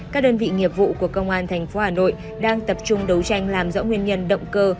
các đơn vị nghiệp vụ của công an tp hà nội đang tập trung đấu tranh làm rõ nguyên nhân động cơ